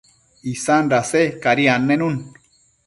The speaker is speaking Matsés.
isan dase cadi annenun